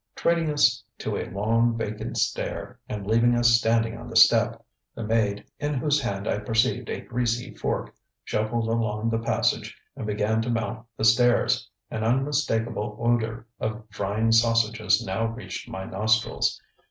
ŌĆØ Treating us to a long, vacant stare and leaving us standing on the step, the maid (in whose hand I perceived a greasy fork) shuffled along the passage and began to mount the stairs. An unmistakable odour of frying sausages now reached my nostrils.